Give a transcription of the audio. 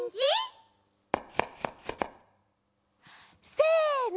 せの！